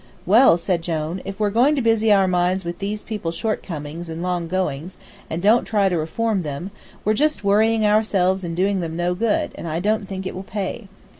"Well," said Jone, "if we're going to busy our minds with these people's shortcomings and long goings, and don't try to reform them, we're just worrying ourselves and doing them no good, and I don't think it will pay.